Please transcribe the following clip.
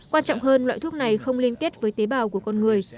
quan trọng hơn loại thuốc này không liên kết với tế bào của con người